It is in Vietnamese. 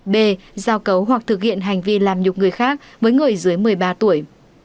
b giao cấu hoặc thực hiện hành vi làm nhục người khác với người dưới một mươi ba tuổi